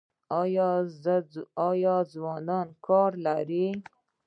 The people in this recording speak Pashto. آیا ځوانان کار لري؟